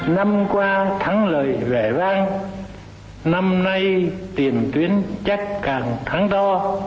năm qua thắng lợi vẻ vang năm nay tiền tuyến chắc càng thắng to